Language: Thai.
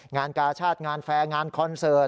งานกาชาติงานแฟร์งานคอนเสิร์ต